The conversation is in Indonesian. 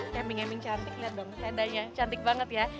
camping camping cantik lihat dong sedanya cantik banget ya